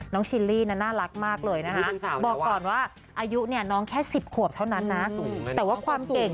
ชิลลี่นั้นน่ารักมากเลยนะคะบอกก่อนว่าอายุเนี่ยน้องแค่๑๐ขวบเท่านั้นนะแต่ว่าความเก่ง